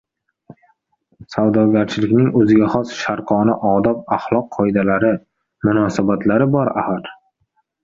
Savdogarchilikning o‘ziga xos sharqona odob-axloqqoidalari, munosabatlari bor, axir.